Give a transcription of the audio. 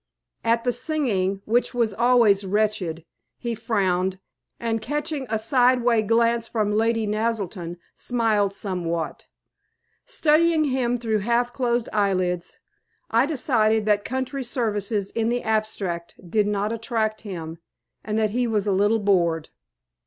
At the singing, which was always wretched, he frowned, and, catching a sideway glance from Lady Naselton, smiled somewhat. Studying him through half closed eyelids, I decided that country services in the abstract did not attract him, and that he was a little bored.